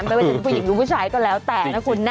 ไม่ว่าจะเป็นผู้หญิงหรือผู้ชายก็แล้วแต่นะคุณนะ